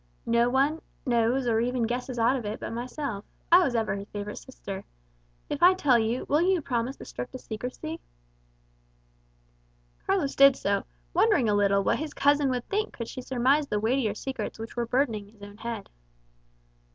No one knows or even guesses aught of it but myself; I was ever his favourite sister. If I tell you, will you promise the strictest secrecy?" Carlos did so; wondering a little what his cousin would think could she surmise the weightier secrets which were burdening his own heart.